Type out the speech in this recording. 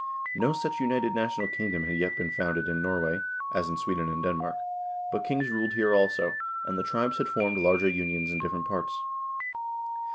No such united national kingdom had yet been founded in Norway as in Sweden and Denmark, but kings ruled here also, and the tribes had formed larger unions in different parts.